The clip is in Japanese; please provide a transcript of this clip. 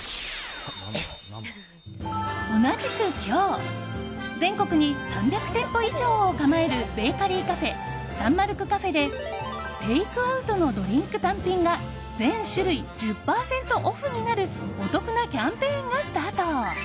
同じく今日全国に３００店舗以上を構えるベーカリーカフェサンマルクカフェでテイクアウトのドリンク単品が全種類１０％オフになるお得なキャンペーンがスタート。